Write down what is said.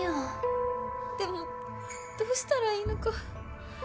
でもどうしたらいいのか。